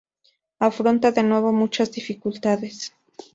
Afronta de nuevo muchas dificultades.